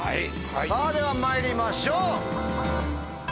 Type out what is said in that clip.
さぁではまいりましょう！